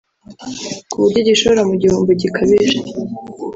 ku buryo agishora mu gihombo gikabije